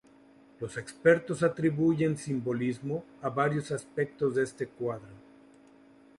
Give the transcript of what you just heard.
Los expertos atribuyen simbolismo a varios aspectos de este cuadro.